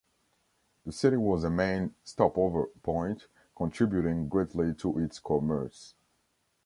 The city was a main stop-over point, contributing greatly to its commerce.